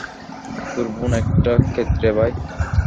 তোর বোন একটা ক্ষ্যাত রে, ভাই।